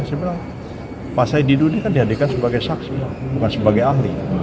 saya bilang pak said didu ini kan dihadirkan sebagai saksi bukan sebagai ahli